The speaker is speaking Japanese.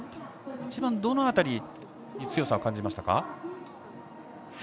一番どの辺りに強さを感じましたか？